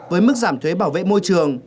với mức giảm thuế bảo vệ môi trường